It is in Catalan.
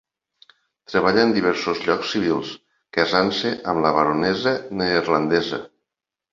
Treballà en diversos llocs civils, casant-se amb una baronessa neerlandesa.